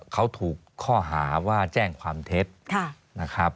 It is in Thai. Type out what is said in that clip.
เขาถูกข้อหาว่าแจ้งความเท็บ